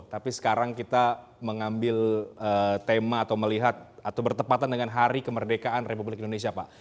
tapi sekarang kita mengambil tema atau melihat atau bertepatan dengan hari kemerdekaan republik indonesia pak